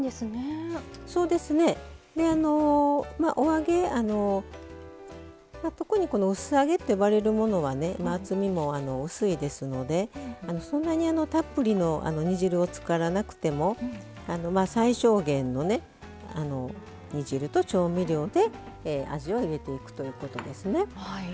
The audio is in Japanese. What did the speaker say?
あの特にこのうす揚げって呼ばれるものはね厚みも薄いですのでそんなにたっぷりの煮汁につからなくても最小限のね煮汁と調味料で味を入れていくということですね。